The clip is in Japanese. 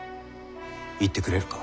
行ってくれるか？